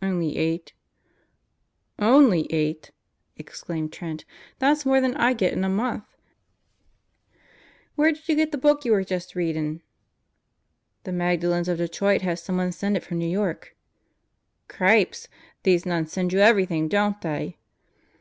"Only eight." "Only eight 1" exclaimed Trent. "That's more than I get in a month. Where did you get the book you were just readin'?" "The Magdalens of Detroit had someone send it from New York." "Gripes 1 These nuns send you everything, don't they?"